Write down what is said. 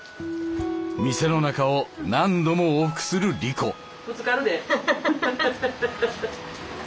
店の中を何度も往復するリコ。